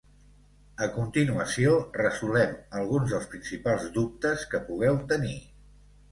A continuació, resolem alguns dels principals dubtes que pugueu tenir.